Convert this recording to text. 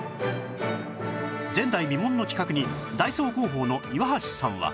前代未聞の企画にダイソー広報の岩橋さんは